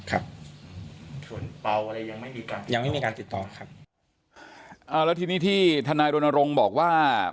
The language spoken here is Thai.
แล้วทีนี้ที่ทานายรณรงค์บอกว่า